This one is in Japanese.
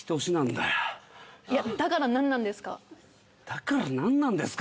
「だから何なんですか？」